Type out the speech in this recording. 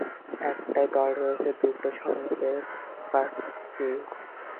একটাই দল রয়েছে, দুটো সংকেট পাচ্ছি।